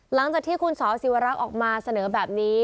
หลังจากที่คุณสศิวรักษ์ออกมาเสนอแบบนี้